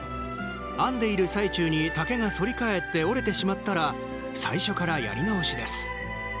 編んでいる最中に竹が反り返って折れてしまったら最初からやり直しです。